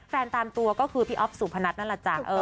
แฟนตามตัวก็คือพี่อ๊อฟสูบพะนัดนั่นล่ะจ้า